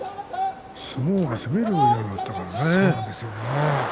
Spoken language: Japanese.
相撲が攻めるようになったよね